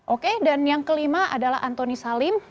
oke dan yang kelima adalah antoni salim